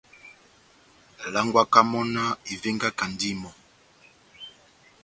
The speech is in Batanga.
Langwaka mɔ́ náh ivengakandi mɔ́.